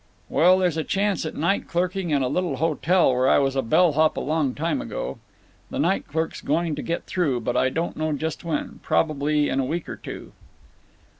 "Well, there's a chance at night clerking in a little hotel where I was a bell hop long time ago. The night clerk's going to get through, but I don't know just when—prob'ly in a week or two."